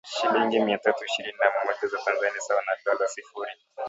shilingi mia tatu ishirini na mmoja za Tanzania sawa na dola sifuri